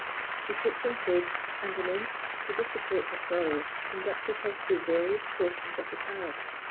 She took some food, and the nymphs, to dissipate her sorrow, conducted her through various portions of the Palace.